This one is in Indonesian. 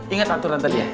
ingat anturan tadi ya